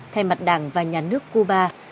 thay mặt đảng và nhà nước cuba